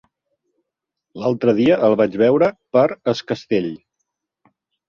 L'altre dia el vaig veure per Es Castell.